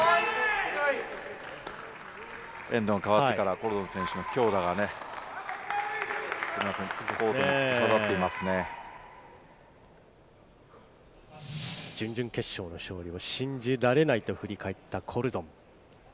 エンドが変わってからコルドン選手の強打がね、準々決勝進出で信じられないと振り返ったコルドン。